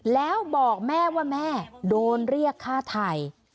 แล้วบอกแม่ว่าแม่โดนเรียกฆ่าไทย